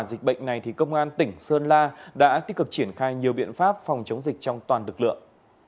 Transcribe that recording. dịch bệnh này thì công an tỉnh sơn la đã tích cực triển khai nhiều biện pháp phòng chống dịch trong toàn lực lượng